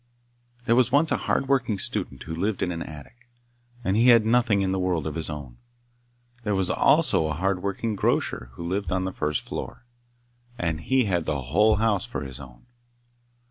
There was once a hard working student who lived in an attic, and he had nothing in the world of his own. There was also a hard working grocer who lived on the first floor, and he had the whole house for his own.